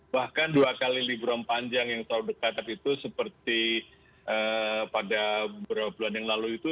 bahkan dua kali liburan panjang yang terlalu dekat itu seperti pada beberapa bulan yang lalu itu